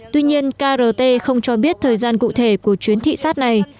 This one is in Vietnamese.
tuy nhiên krt không cho biết thời gian cụ thể của chuyến thị sát này